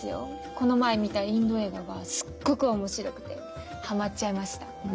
この前見たインド映画がすっごく面白くてハマっちゃいました！